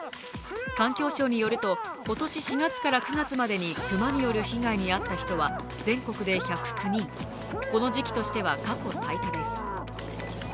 環境省によりますと今年４月から９月までに熊による被害に遭った人は全国で１０９人、この時期としては過去最多です。